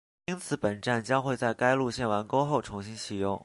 因此本站将会在该线路完工后重新启用